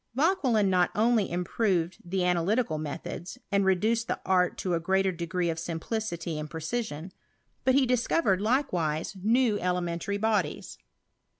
Vauquelin not only improved the analytic^ methods, and reduced the art to a greater degree of implicity and precision, but he discovered, likewise, lew elementary bodies.